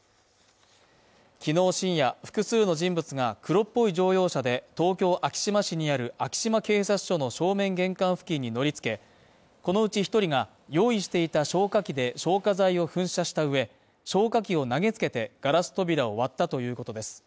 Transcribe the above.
昨日深夜、複数の人物が、黒っぽい乗用車で東京昭島市にある昭島警察署の正面玄関付近に乗り付け、このうち１人が用意していた消火器で消火剤を噴射した上、消火器を投げつけてガラス扉を割ったということです。